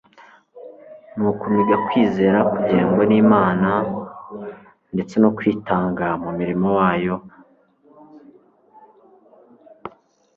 ni ukumiga kwizera kugengwa n'Imana, ndetse no kwitanga mu murimo wayo utizigamye,